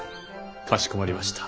かしこまりました。